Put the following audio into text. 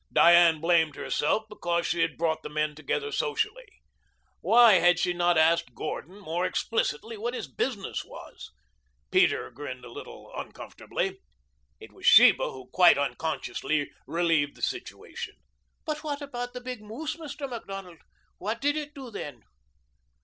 Diane blamed herself because she had brought the men together socially. Why had she not asked Gordon more explicitly what his business was? Peter grinned a little uncomfortably. It was Sheba who quite unconsciously relieved the situation. "But what about the big moose, Mr. Macdonald? What did it do then?"